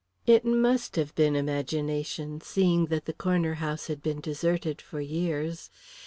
It must have been imagination, seeing that the Corner House had been deserted for years.